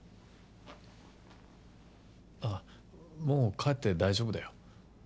あっもう帰って大丈夫だよ。